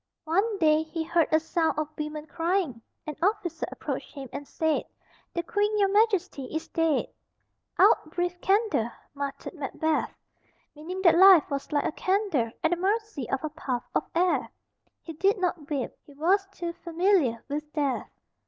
One day he heard a sound of women crying. An officer approached him and said, "The Queen, your Majesty, is dead." "Out, brief candle," muttered Macbeth, meaning that life was like a candle, at the mercy of a puff of air. He did not weep; he was too familiar with death.